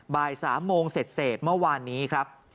บ่าย๓โมงเสร็จเมื่อวานนี้ครับ